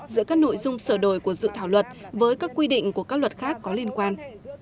giữa các nội dung sửa đổi của dự thảo luật với các quy định của các luật khác có liên quan